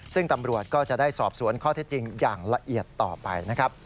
ซึ่งตำรวจก็จะได้สอบสวนข้อเท็จจริงอย่างละเอียดต่อไปนะครับ